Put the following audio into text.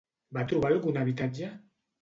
Va trobar algun habitatge?